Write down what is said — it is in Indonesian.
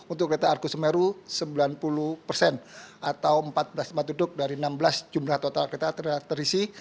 untuk kereta argo semeru sembilan puluh persen atau empat belas tempat duduk dari enam belas jumlah total kereta terisi